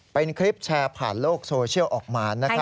เป็นคลิปแชร์ผ่านโลกโซเชียลออกมา